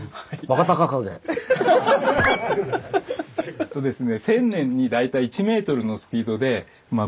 えっとですね